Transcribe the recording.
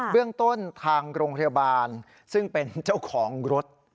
เรื่องต้นทางโรงพยาบาลซึ่งเป็นเจ้าของรถ